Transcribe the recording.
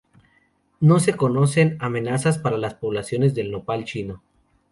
No se conocen amenazas para las poblaciones de nopal chino.